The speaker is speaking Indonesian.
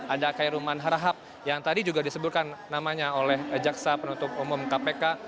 ada kairulman harahap yang tadi juga disebutkan namanya oleh jaksa penutup umum kpk